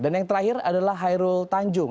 dan yang terakhir adalah hairul tanjung